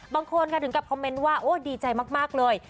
บางคนถึงกลับคอมเมนต์ว่าดีใจมากเลย